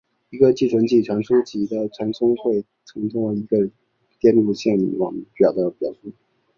一个寄存器传输级的描述通常会通过逻辑综合工具转换成逻辑门级电路连线网表的描述。